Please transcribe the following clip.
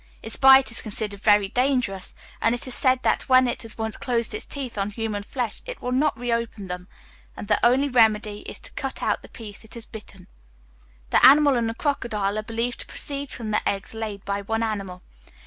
Its bite is considered very dangerous, and it is said that, when it has once closed its teeth on human flesh, it will not reopen them, and the only remedy is to cut out the piece it has bitten. This animal and the crocodile are believed to proceed from the eggs laid by one animal.